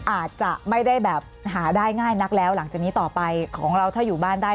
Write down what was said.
อาจจะไม่ได้แบบหาได้ง่ายนักแล้วหลังจากนี้ต่อไปของเราถ้าอยู่บ้านได้